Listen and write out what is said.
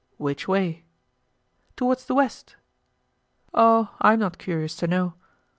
"Which way?" "Towards the west." "Oh! I am not curious to know."